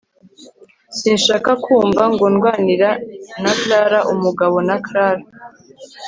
sinshaka kumva ngo ndwanira na Clara umugabo na Clara